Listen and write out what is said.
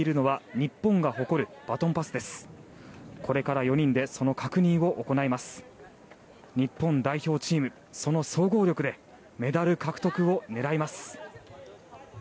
日本代表チーム、その総合力でメダル獲得を狙います。